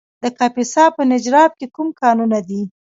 د کاپیسا په نجراب کې کوم کانونه دي؟